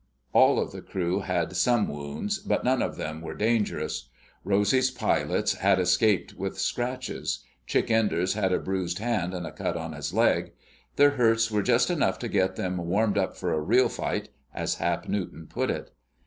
All of the crew had some wounds, but none of them were dangerous. Rosy's pilots had escaped with scratches. Chick Enders had a bruised hand and a cut on his leg. Their hurts were just enough to get them "warmed up for a real fight," as Hap Newton put it.